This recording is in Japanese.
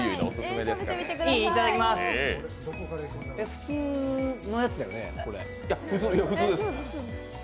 普通のやつだよね、これ？